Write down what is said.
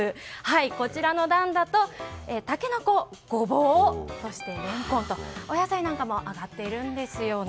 こちらの段だとタケノコゴボウ、そしてレンコンとお野菜なんかも上がってるんですよね。